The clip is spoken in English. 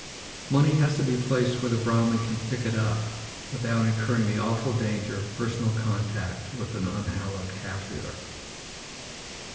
Money has to be placed where the Brahman can pick it up without incurring the awful danger of personal contact with an unhallowed kaffir.